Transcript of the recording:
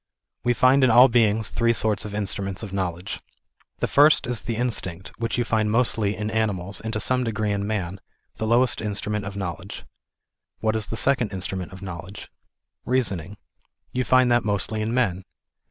We find in all beings three sorts of instruments of knowledge. The first is the instinct, which you find mostly irr animals, and to some degree in man, the lowest instrument of know ledge. What is the second instrument of knowledge ? Reason ing. You find that mostly in men.